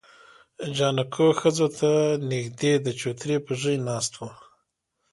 جانکو ښځو ته نږدې د چوترې پر ژی ناست و.